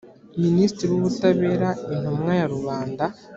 minisitiri w ubutabera intumwa ya rubanda